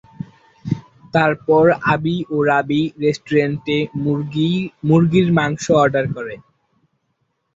তারপর আবি ও রাবি রেস্টুরেন্টে মুরগির মাংস অর্ডার করে।